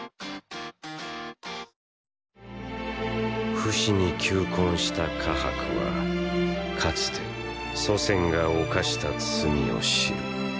フシに求婚したカハクはかつて祖先が犯した罪を知る。